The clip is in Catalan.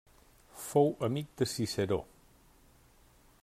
Fou amic de Ciceró.